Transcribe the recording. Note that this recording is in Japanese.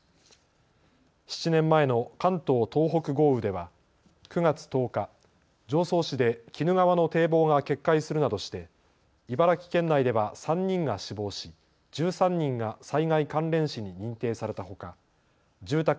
７年前の関東・東北豪雨では９月１０日、常総市で鬼怒川の堤防が決壊するなどして茨城県内では３人が死亡し１３人が災害関連死に認定されたほか住宅